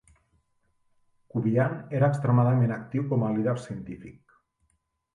Covian era extremadament actiu com a líder científic.